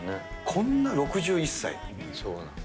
こんな６１歳。